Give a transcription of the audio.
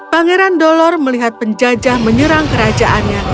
pangeran dolor melihat penjajah menyerang kerajaannya